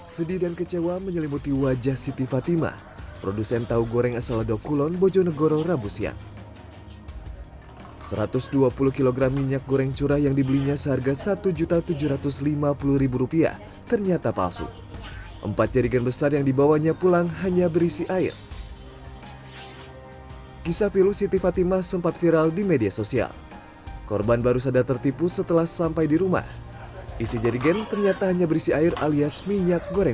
setiap liter yang ini lebih murah kalau dibanding yang luar berapa disini disini